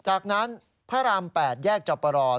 จากนั้นพระราม๘แยกเจ้าประรอบ